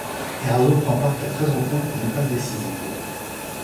Eraso ne prend part qu'à treize rencontres pour une passe décisive.